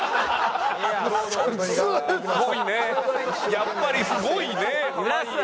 「やっぱりすごいね濱家」。